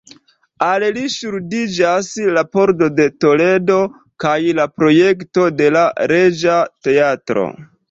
Al li ŝuldiĝas la Pordo de Toledo kaj la projekto de la Reĝa Teatro.